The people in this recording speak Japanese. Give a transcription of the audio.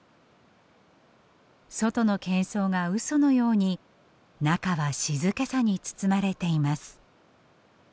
外のけん騒がうそのように中は静けさに包まれています。